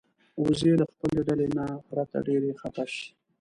وزې له خپلې ډلې نه پرته ډېرې خپه شي